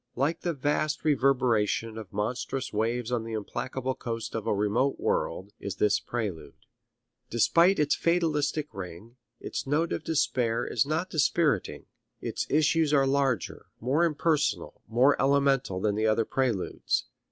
Like the vast reverberation of monstrous waves on the implacable coast of a remote world is this prelude. Despite its fatalistic ring, its note of despair is not dispiriting. Its issues are larger, more impersonal, more elemental than the other preludes.